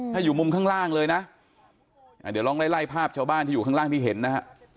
ถ้าอยู่มุมข้างล่างเลยนะเดี๋ยวลองไล่ไล่ภาพชาวบ้านที่อยู่ข้างล่างที่เห็นนะฮะ